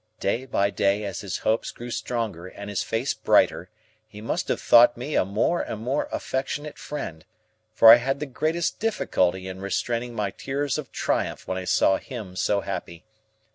Day by day as his hopes grew stronger and his face brighter, he must have thought me a more and more affectionate friend, for I had the greatest difficulty in restraining my tears of triumph when I saw him so happy.